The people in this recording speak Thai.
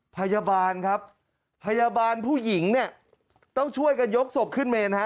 พยาบาลครับพยาบาลผู้หญิงเนี่ยต้องช่วยกันยกศพขึ้นเมนฮะ